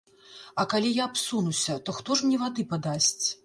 А калі я абсунуся, то хто ж мне вады падасць?